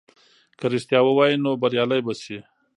که رښتیا ووایې نو بریالی به سې.